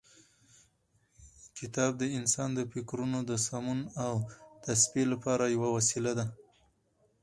کتاب د انسان د فکرونو د سمون او تصفیې لپاره یوه وسیله ده.